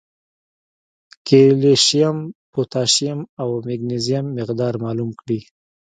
کېلشیم ، پوټاشیم او مېګنيشم مقدار معلوم کړي